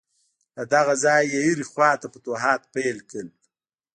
له دغه ځایه یې هرې خواته فتوحات پیل کړل.